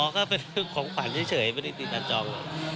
อ๋อก็เป็นของฝันเฉยไม่ได้ติดอาจองเลย